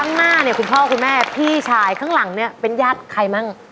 ข้างหน้าเนี่ยคุณพ่อคุณแม่พี่ชายข้างหลังเนี่ยเป็นญาติใครมั่ง